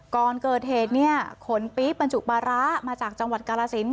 ก่อนเกิดเหตุเนี่ยขนปี๊บบรรจุปลาร้ามาจากจังหวัดกาลสิน